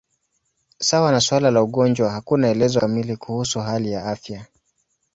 Sawa na suala la ugonjwa, hakuna elezo kamili kuhusu hali ya afya.